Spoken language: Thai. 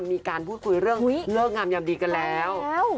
มีการพูดคุยเรื่องเลิกงามยามดีกันแล้ว